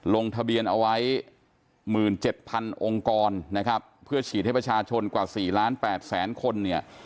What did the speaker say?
ลงทะเบียนเอาไว้หมื่นเจ็ดพันองค์กรนะครับเพื่อฉีดให้ประชาชนกว่าสี่ล้านแปดแสนคนเนี่ย